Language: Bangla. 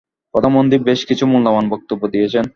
প্রধানমন্ত্রী বেশ কিছু মূল্যবান বক্তব্য দিয়েছেন।